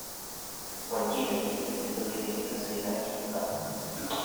Cualquiera que viole este toque de queda será ejecutado".